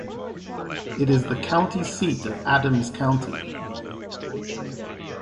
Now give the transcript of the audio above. It is the county seat of Adams County.